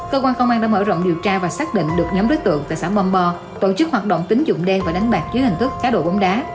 cơ quan công an đã mở rộng điều tra và xác định được nhóm đối tượng tại xã vong bo tổ chức hoạt động tín dụng đen và đánh bạc dưới hình thức cá đồ bóng đá